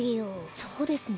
そうですね。